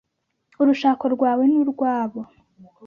urushako rwawe n’urwabo.